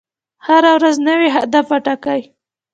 هره ورځ نوی هدف وټاکئ.